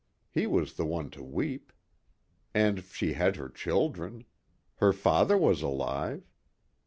He was the one to weep. And she had her children. Her father was alive.